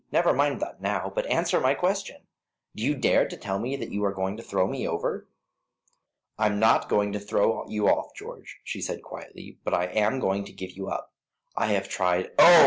"Never mind that now, but answer my question. Do you dare to tell me that you are going to throw me over?" "I am not going to throw you off, George," she said, quietly; "but I am going to give you up. I have tried, oh!